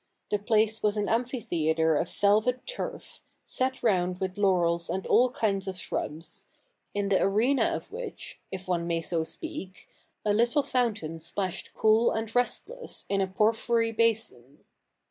The place was an amphitheatre of velvet turf, set round with laurels and all kinds of shrubs ; in the arena of which — if one may so speak — a little fountain splashed cool and rest less in a porphyry basin.